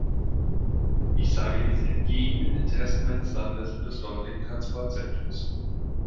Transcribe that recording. Ich sage dies entgegen den Interessen meines Landes und des dortigen Transportsektors.